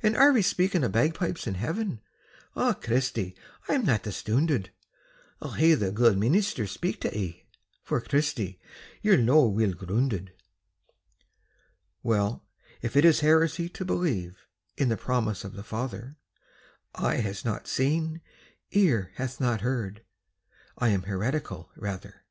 "And are ye speaking o' bagpipes in Heaven? Ah, Christy, I'm that astoonded I'll hae the guid meenister speak tae ye, For, Christy, ye're no weel groonded." Well, if it is heresy to believe In the promise of the Father, "Eye hath not seen, ear hath not heard," I am heretical, rather.